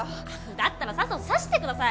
だったらどうぞ刺してください。